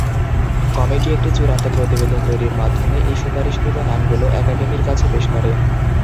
Committee একটি চূড়ান্ত প্রতিবেদন তৈরির মাধ্যমে এই সুপারিশকৃত নামগুলো একাডেমির কাছে পেশ করে।